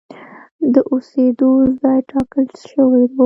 د اوسېدو ځای ټاکل شوی و.